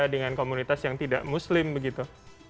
dengan komunitas yang tidak muslim begitu